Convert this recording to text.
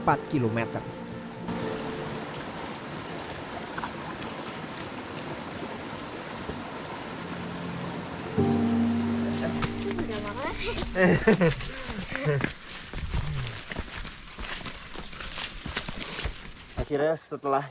akhirnya setelah jalan pegunungan